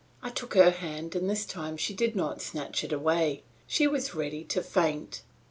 I took her hand and this time she did not snatch it away; she was ready to faint.